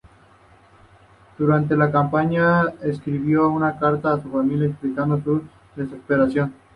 Durante la campaña, escribió una carta a su familia explicando su desaparición.